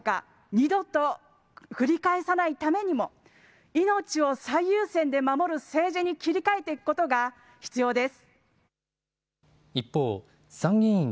二度と繰り返さないためにも、命を最優先で守る政治に切り替えていくことが必要です。